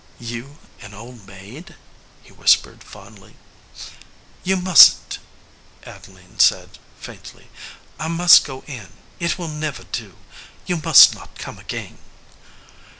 "You an old maid!" he whispered, fondly. "You mustn t," Adeline said, faintly. "I must go in. It will never do. You must not come again."